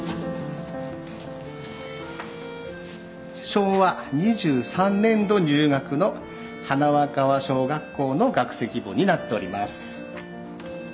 昭和２３年度入学の塙川小学校の学籍簿になっております。